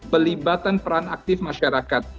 belibatan peran aktif masyarakat